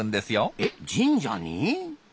えっ神社に！？